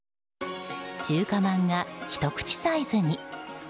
中華まんがひと口サイズに。